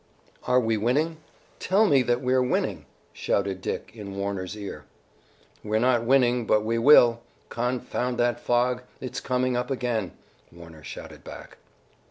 "Are we winning? Tell me, that we are winning!" shouted Dick in Warner's ear. "We're not winning, but we will! Confound that fog! It's coming up again!" Warner shouted back.